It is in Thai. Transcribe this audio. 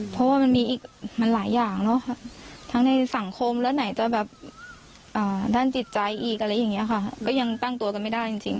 เพราะว่ามันมีอีกมันหลายอย่างเนอะทั้งในสังคมและไหนจะแบบด้านจิตใจอีกอะไรอย่างนี้ค่ะก็ยังตั้งตัวกันไม่ได้จริง